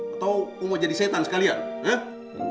atau kau mau jadi setan sekalian